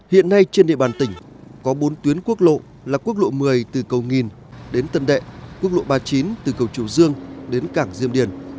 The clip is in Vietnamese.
hiện nay trên địa bàn tỉnh có bốn tuyến quốc lộ là quốc lộ một mươi từ cầu nghìn đến tân đệ quốc lộ ba mươi chín từ cầu chùa dương đến cảng diêm điền